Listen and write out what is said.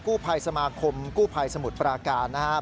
ภัยสมาคมกู้ภัยสมุทรปราการนะครับ